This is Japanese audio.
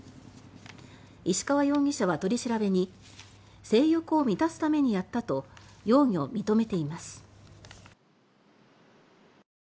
石川容疑者は取り調べに性欲を満たすためにやったと容疑を認めています。